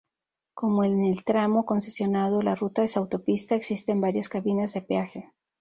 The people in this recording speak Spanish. Como en el tramo concesionado la ruta es autopista, existen varias cabinas de peaje.